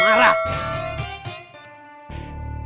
sudah berapa banyak orang yang jadi korban